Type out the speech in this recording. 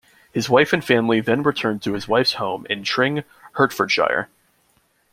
His wife and family then returned to his wife's home in Tring, Hertfordshire.